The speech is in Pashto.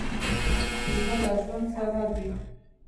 اوبه له ژوند سره دي.